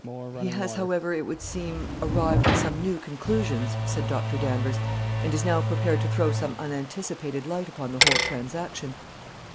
"He has, however, it would seem, arrived at some new conclusions," said Dr. Danvers, "and is now prepared to throw some unanticipated light upon the whole transaction."